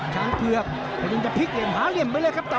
ช้างเผือกพยายามจะพลิกเหลี่ยมหาเหลี่ยมไปเลยครับ